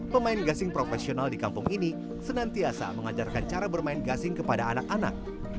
pemain gasing profesional di kampung ini senantiasa mengajarkan cara bermain gasing kepada anak anak